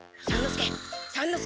三之助！